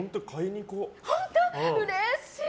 うれしい！